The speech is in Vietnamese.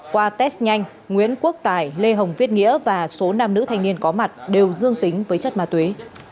qua test nhanh nguyễn quốc tài lê hồng viết nghĩa và số nam nữ thanh niên có mặt đều dương tính với chất ma túy